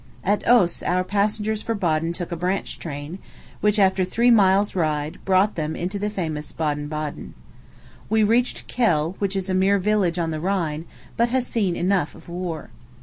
At Oos our passengers for Baden took a branch train, which, after three miles' ride, brought them into the famous Baden Baden. We reached Kehl, which is a mere village on the Rhine, but has seen enough of war.